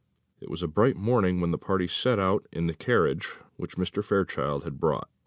It was a bright morning when the party set out in the carriage which Mr. Fairchild had bought.